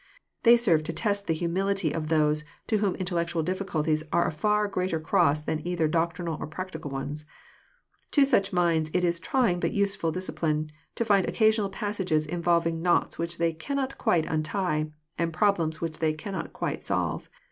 They serve to test the humility of those to whom Intellectual difficulties are a far greater cross than either doctrinal or practical ones. To such minds it is trying but useflil discipline to find occasional passages involv ing knots which they cannot quite untie, and problems which they cannot quite solve.